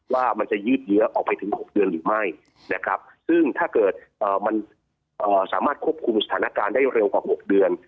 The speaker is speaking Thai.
ว่ามันจะยืดเยื้อออกไปถึง๖เดือนหรือไม่นะครับซึ่งถ้าเกิดมันสามารถควบคุมสถานการณ์ได้เร็วกว่า๖เดือน